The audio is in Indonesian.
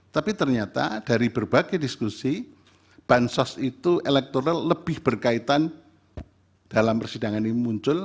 tapi ternyata dari berbagai diskusi bansos itu elektoral lebih berkaitan dalam persidangan ini muncul